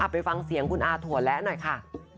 ไปฟังเสียงคุณอาถั่วและหน่อยค่ะ